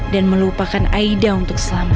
dan melupakan aida untuk selamat